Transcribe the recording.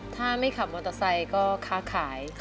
ถ้าไม่ขับมอเตอร์ไซค์ก็ค้าขาย